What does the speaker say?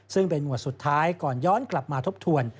ซึ่งเป็นหมวดสุดท้ายก่อนย้อนกลับมาทบทวน